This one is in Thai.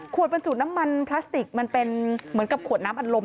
บรรจุน้ำมันพลาสติกมันเป็นเหมือนกับขวดน้ำอัดลม